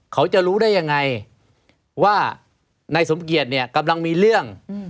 เขาจะรู้ได้ยังไงว่านายสมเกียจเนี่ยกำลังมีเรื่อง